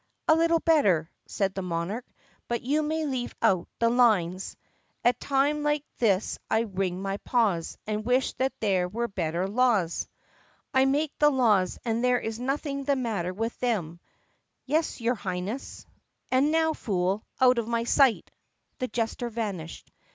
"A little better," said the monarch, "but you may leave out the lines, " 'At times like this I wring my paws And wish that there were better laws.' "I make the laws and there 's nothing the matter with them." "Yes, your Highness." THE PUSSYCAT PRINCESS 76 "And now, fool, out of my sight!" The jester vanished.